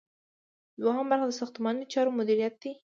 دوهم برخه د ساختماني چارو مدیریت دی.